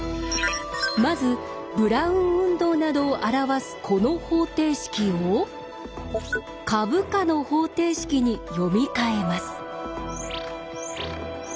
まずブラウン運動などを表すこの方程式を株価の方程式に読み替えます。